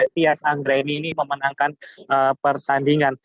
tias anggreni ini memenangkan pertandingan